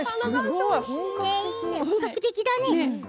本格的だね。